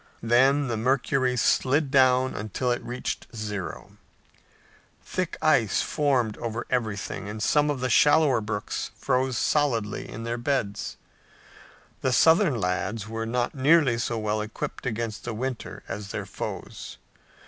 Then the mercury slid down until it reached zero. Thick ice formed over everything and some of the shallower brooks froze solidly in their beds. The Southern lads were not nearly so well equipped against the winter as their foes.